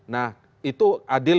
nah itu adil